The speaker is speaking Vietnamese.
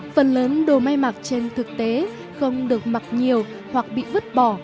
phần lớn đồ may mặc trên thực tế không được mặc nhiều hoặc bị vứt bỏ